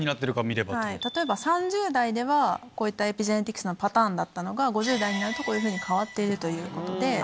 例えば３０代ではこういったエピジェネティクスのパターンだったのが５０代になるとこういうふうに変わっているということで。